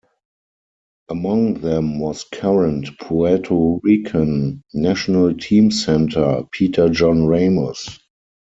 Among them was current Puerto Rican National Team center Peter John Ramos.